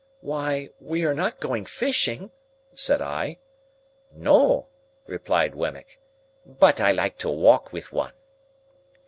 "Why, we are not going fishing!" said I. "No," returned Wemmick, "but I like to walk with one."